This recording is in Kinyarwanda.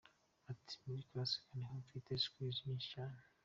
Ati “ Muri Classic niho mfite Skills nyinshi cyane.